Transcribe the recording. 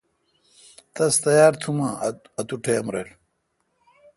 تس تیار تھم اؘ اتو ٹائم رل۔